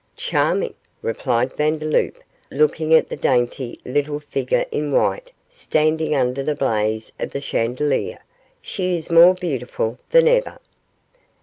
'Charming,' replied Vandeloup, looking at the dainty little figure in white standing under the blaze of the chandelier; 'she is more beautiful than ever.